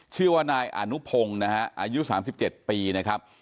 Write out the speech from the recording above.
ชื่อว่านายอนุพงศ์นะฮะอายุสามสิบเจ็ดปีนะครับ